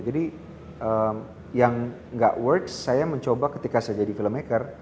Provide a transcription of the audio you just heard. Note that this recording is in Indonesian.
jadi yang tidak berfungsi saya mencoba ketika saya jadi filmmaker